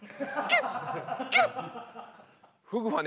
フグはね